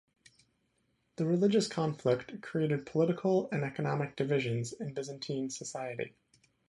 The religious conflict created political and economic divisions in Byzantine society.